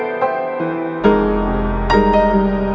aku gak dengerin kata kata kamu mas